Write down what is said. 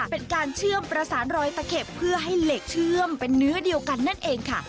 เป็นการเชื่อมประสานรอยตะเข็บเพื่อให้เหล็กเชื่อมเป็นเนื้อเดียวกันนั่นเองค่ะ